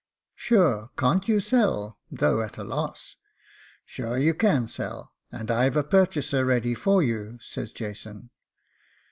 'Sure, can't you sell, though at a loss? Sure you can sell, and I've a purchaser ready for you,' says Jason.